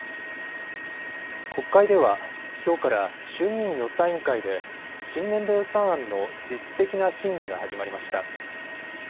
国会では、きょうから衆議院予算委員会で新年度予算案の実質的な審議が始まりました。